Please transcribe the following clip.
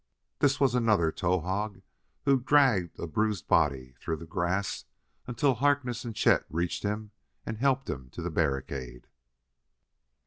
This was another Towahg who dragged a bruised body through the grass until Harkness and Chet reached him and helped him to the barricade.